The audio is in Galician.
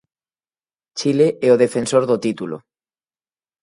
Chile é o defensor do título.